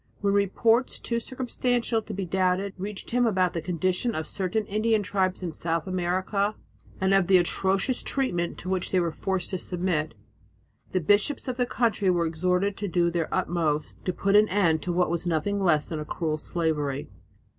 When reports too circumstantial to be doubted reached him about the condition of certain Indian tribes in South America and of the atrocious treatment to which they were forced to submit, the bishops of the country were exhorted to do their utmost to put an end to what was nothing less than a cruel slavery.